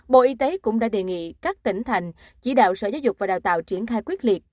bộ y tế cũng đã đề nghị các tỉnh thành chỉ đạo sở giáo dục và đào tạo triển khai quyết liệt